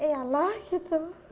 ya lah gitu